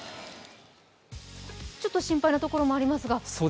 ちょっと心配なところもありますが。